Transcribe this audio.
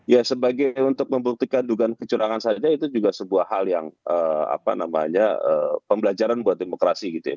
ya sebagai untuk membuktikan dugaan kecurangan saja itu juga sebuah hal yang apa namanya pembelajaran buat demokrasi gitu ya